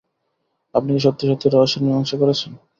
আপনি কি সত্যি-সত্যি রহস্যের মীমাংসা করেছেন?